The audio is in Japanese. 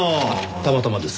たまたまです。